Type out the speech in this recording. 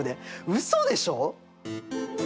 うそでしょ！